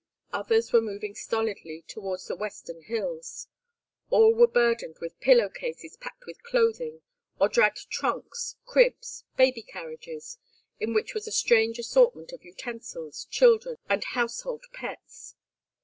Others were moving stolidly towards the western hills. All were burdened with pillow cases packed with clothing, or dragged trunks, cribs, baby carriages, in which was a strange assortment of utensils, children, and household pets.